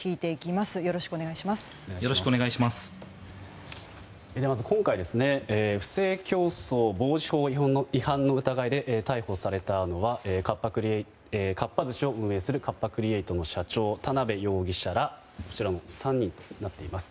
まず、今回不正競争防止法違反の疑いで逮捕されたのはかっぱ寿司を運営するカッパ・クリエイトの社長田邊容疑者らこちらの３人となっています。